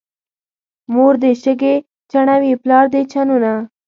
مور دې شګې چڼوي، پلار دې چنونه.